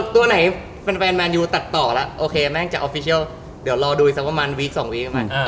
ตัวไหนแฟนแมนยูตัดต่อแล้วโอเคแม่งจากออฟฟิเชียลเดี๋ยวรอดูอีกสักประมาณวีคสองวีคมา